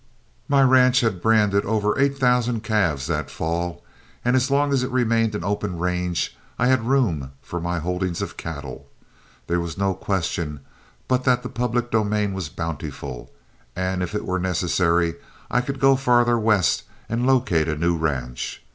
My ranch had branded over eight thousand calves that fall, and as long as it remained an open range I had room for my holdings of cattle. There was no question but that the public domain was bountiful, and if it were necessary I could go farther west and locate a new ranch.